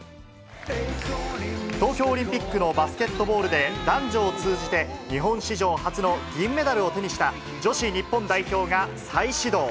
東京オリンピックのバスケットボールで、男女を通じて日本史上初の銀メダルを手にした女子日本代表が再始動。